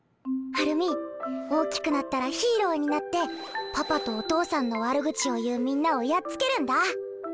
ハルミ大きくなったらヒーローになってパパとお父さんの悪口を言うみんなをやっつけるんだ。